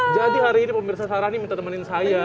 jadi hari ini pemirsa sarah minta temanin saya